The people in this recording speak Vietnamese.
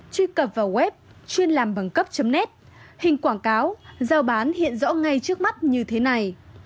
truy cập vào web chuyên làm bằng cấp net hình quảng cáo giao bán hiện rõ ngay trước mắt như thế này